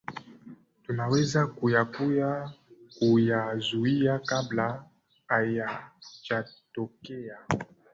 tunaweza kuya kuya kuyazuia kabla hayajatokea